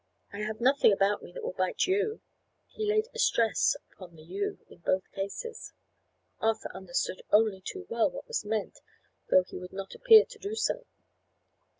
"I have nothing about me that will bite you." He laid a stress upon the "you" in both cases. Arthur understood only too well what was meant, though he would not appear to do so.